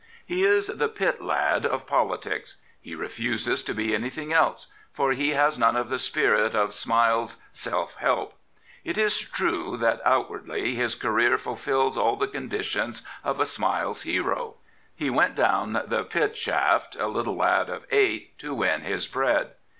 He is the pit lad of politics. He refuses to be any thing else, for he ha.s none of the spirit of Smiles' Sdf Help. It is true that, outwardly, his career fulfils all the conditions of a Smiles hero. He went down the pit shaft, a little lad of eight, to win his bread.